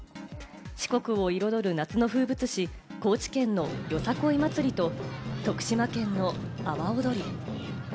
四国を彩る夏の風物詩、高知県のよさこい祭りと、徳島県の阿波おどり。